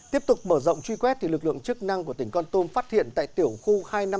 tiếp tục mở rộng truy quét lực lượng chức năng của tỉnh con tum phát hiện tại tiểu khu hai trăm năm mươi bốn